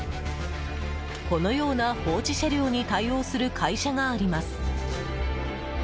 このような放置車両に対応する会社があります。